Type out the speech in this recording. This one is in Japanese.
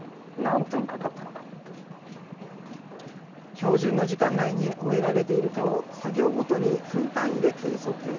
標準の時間内に終えられているかを、作業ごとに分単位で計測。